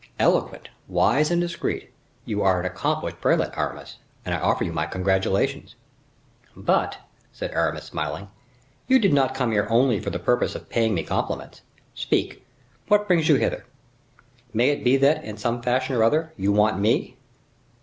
"Eloquent, wise and discreet; you are an accomplished prelate, Aramis, and I offer you my congratulations." "But," said Aramis smiling, "you did not come here only for the purpose of paying me compliments. Speak; what brings you hither? May it be that, in some fashion or other, you want me?"